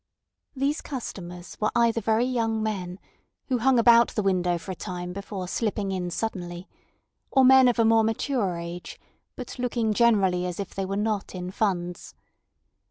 These customers were either very young men, who hung about the window for a time before slipping in suddenly; or men of a more mature age, but looking generally as if they were not in funds.